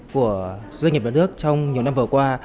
của doanh nghiệp nhà nước trong nhiều năm vừa qua